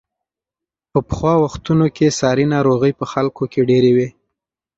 په پخوا وختونو کې ساري ناروغۍ په خلکو کې ډېرې وې.